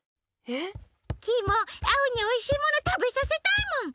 えっ？キイもアオにおいしいものたべさせたいもん。